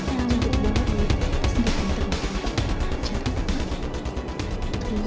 cantik banget ya